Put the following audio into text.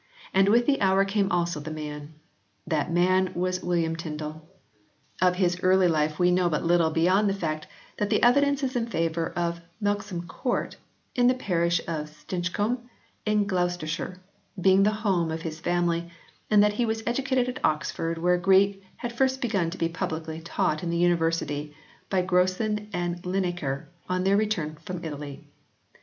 And with the hour came also the man. That man was William Tyndale. Of his early life we know but little beyond the fact that the evidence is in favour of Melksham Court in the parish of Stinch combe, in Gloucestershire, being the home of his family, and that he was educated at Oxford where Greek had first begun to be publicly taught in the University by Grocyn and Linacre, on their return from Italy.